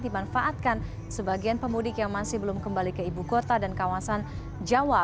dimanfaatkan sebagian pemudik yang masih belum kembali ke ibu kota dan kawasan jawa